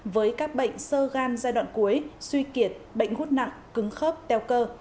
với các bệnh sơ gan giai đoạn cuối suy kiệt bệnh gút nặng cứng khớp teo cơ